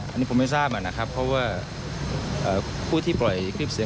อันนี้ผมไม่ทราบนะครับเพราะว่าผู้ที่ปล่อยคลิปเสียง